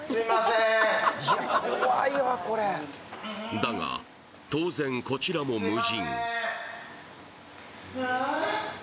だが、当然こちらも無人。